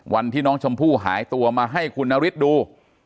วันที่น้องชมพู่หายตัวมาให้คุณนฤทธิ์ดู